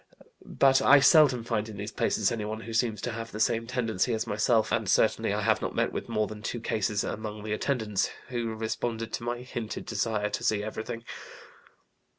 But I seldom find in these places anyone who seems to have the same tendency as myself, and certainly I have not met with more than two cases among the attendants, who responded to my hinted desire to see everything.